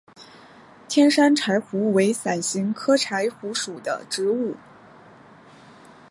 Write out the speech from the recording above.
天山柴胡为伞形科柴胡属的植物。